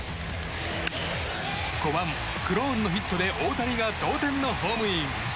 ５番、クローンのヒットで大谷が同点のホームイン。